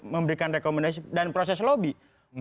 memberikan rekomendasi dan proses lobby